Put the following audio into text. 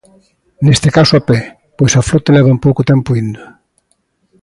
Neste caso a pé, pois a flote levan pouco tempo indo.